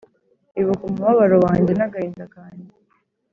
Ibuka umubabaro wanjye n’agahinda kanjye,